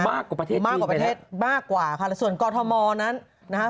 มากกว่าประเทศจีนปะเนี่ยมากกว่าค่ะแล้วส่วนกอทมนั้นนะคะ